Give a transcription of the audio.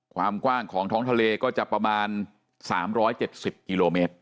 ความกว้างของท้องทะเลก็จะประมาณ๓๗๐กิโลเมตร